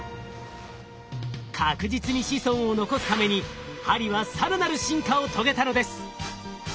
確実に子孫を残すために針は更なる進化を遂げたのです。